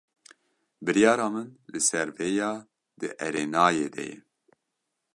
Biryara min li ser vêya di erênayê de ye.